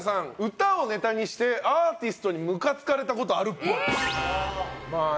歌をネタにしてアーティストにムカつかれたことあるっぽい。